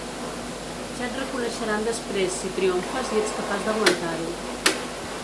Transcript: Ja et reconeixeran després si triomfes i ets capaç d’aguantar-ho.